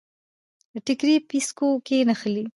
د ټیکري پیڅکو کې نښلي